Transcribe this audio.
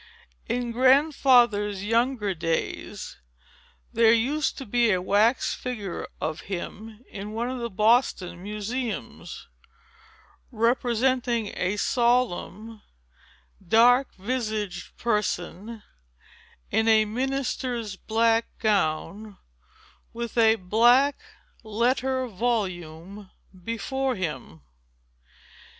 In Grandfather's younger days, there used to be a wax figure of him in one of the Boston museums, representing a solemn, dark visaged person, in a minister's black gown, and with a black letter volume before him.